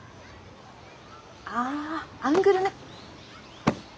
あアングルね。